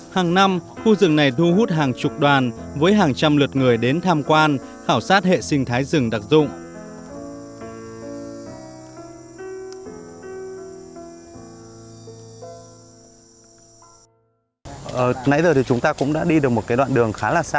hàng năm khu rừng này thu hút hàng chục đoàn với hàng trăm lượt người đến tham quan khảo sát hệ sinh thái rừng đặc dụng